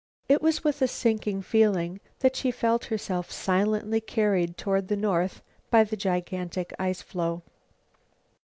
It was with a sinking feeling that she felt herself silently carried toward the north by the gigantic ice floe.